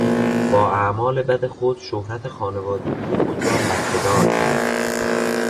با اعمال بد خود شهرت خانوادگی خود را لکه دار کرد.